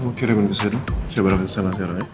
kamu kirimin ke saya tuh siapa yang kesana siaranya